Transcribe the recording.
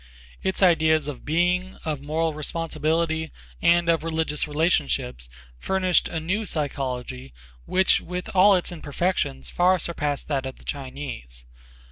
Its ideas of being, of moral responsibility and of religious relationships furnished a new psychology which with all its imperfections far surpassed that of the Chinese.